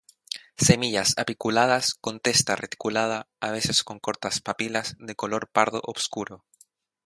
Semillas apiculadas, con testa reticulada, a veces con cortas papilas, de color pardo obscuro.